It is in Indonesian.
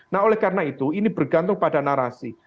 nah oleh karena itu ini bergantung pada narasi